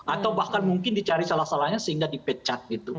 atau bahkan mungkin dicari salah salahnya sehingga dipecat gitu